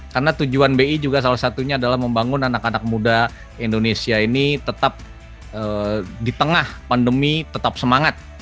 karena tujuan bi juga salah satunya adalah membangun anak anak muda indonesia ini tetap di tengah pandemi tetap semangat